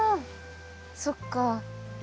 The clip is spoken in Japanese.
そっか。